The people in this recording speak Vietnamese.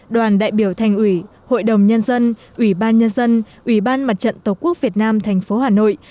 đoàn đại biểu thành ủy hội đồng nhân dân ủy ban nhân dân ủy ban mặt trận tổ quốc việt nam thành phố hà nội